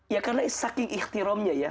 ya karena saking ikhtiromnya ya